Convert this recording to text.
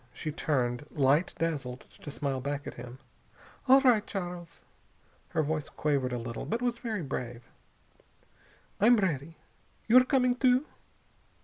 She turned, light dazzled, to smile back at him. "All right, Charles." Her voice quavered a little, but it was very brave. "I'm ready. You're coming, too?"